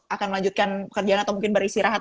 akan melanjutkan pekerjaan atau mungkin beristirahat